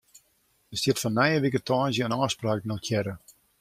Der stiet foar nije wike tongersdei in ôfspraak notearre.